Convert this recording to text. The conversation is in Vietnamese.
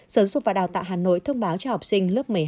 sở dục và đào tạo hà nội thông báo cho học sinh lớp một mươi hai